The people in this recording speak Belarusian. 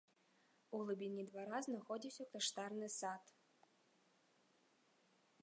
У глыбіні двара знаходзіўся кляштарны сад.